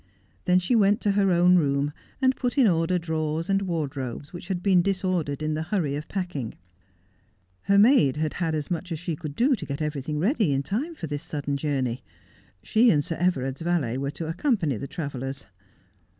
Then she went to her own room, and put in order drawers and wardrobes which had been disordered in the hurry of packing. Her maid •had had as much as she could do to get everything ready iu time for this sudden journey, She and Sir Everard's valet were to accompany the travellers.